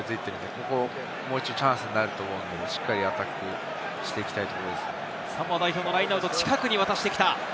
ここは、もう一度チャンスになると思うので、しっかりしていきたいところですね。